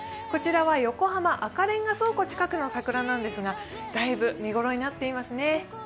こちらは横浜赤レンガ倉庫近くの桜なんですが大分見ごろになっていますね。